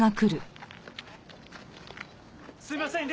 すいません